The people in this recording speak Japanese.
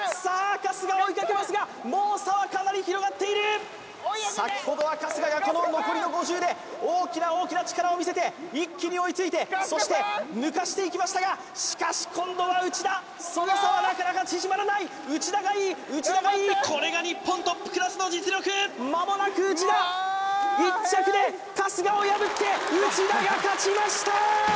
春日追いかけますがもう差はかなり広がっている先ほどは春日がこの残りの５０で大きな大きな力を見せて一気に追いついてそして抜かしていきましたがしかし今度は内田その差はなかなか縮まらない内田がいい内田がいいこれが日本トップクラスの実力まもなく内田１着で春日をやぶって内田が勝ちました